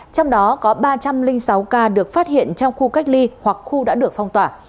trong đó có ba trăm linh sáu ca được phát hiện trong khu cách ly hoặc khu đã được phong tỏa